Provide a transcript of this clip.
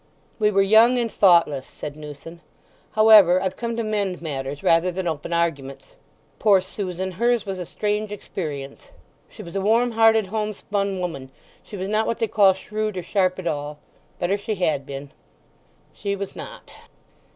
"We were young and thoughtless," said Newson. "However, I've come to mend matters rather than open arguments. Poor Susan—hers was a strange experience." "She was a warm hearted, home spun woman. She was not what they call shrewd or sharp at all—better she had been." "She was not."